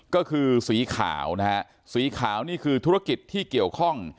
ก็คือสีขาวนะฮะสีขาวนี่คือธุรกิจที่เกี่ยวข้อง